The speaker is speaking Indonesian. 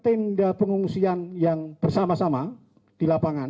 atau tindal pengungsian yang bersama sama di lapangan